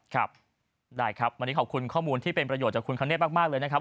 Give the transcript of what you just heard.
ครับได้ครับวันนี้ขอบคุณข้อมูลที่เป็นประโยชน์จากคุณคเนธมากเลยนะครับ